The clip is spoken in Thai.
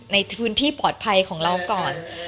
ในพื้นที่ปลอดภัยของเราก่อน